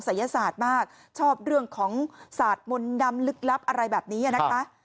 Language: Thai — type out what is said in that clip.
ศาสตร์มากชอบเรื่องของศาสตร์มนต์ดำลึกลับอะไรแบบนี้นะคะ